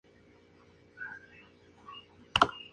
Existen vagones de servicio, de caja abierta.